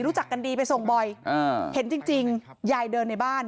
รู้จักกันดีไปส่งบ่อยอ่าเห็นจริงยายเดินในบ้าน